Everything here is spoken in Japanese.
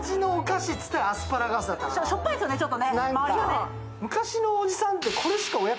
しょっぱいですよね、ちょっと。